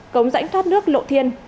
cống rãnh thoát nước lộ thiên